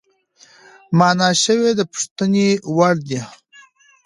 مانا شوی د پوښتنې وړدی،